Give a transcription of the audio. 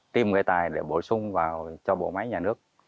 tìm người tài để bổ sung vào cho bộ máy nhà nước